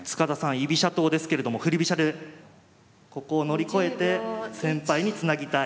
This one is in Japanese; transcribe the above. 居飛車党ですけれども振り飛車でここを乗り越えて先輩につなぎたい。